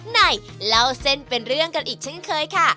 ไหนเล่าเส้นเป็นเรื่องกันอีกเช่นเคยค่ะ